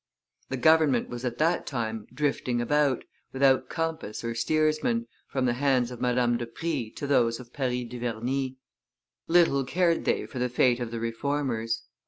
The government was at that time drifting about, without compass or steersman, from the hands of Madame de Prie to those of Paris Duverney. Little cared they for the fate of the Reformers.